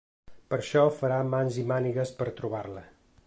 Per això farà mans i mànigues per trobar-la.